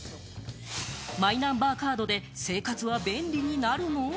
マイナンバーカードで生活は便利になるの？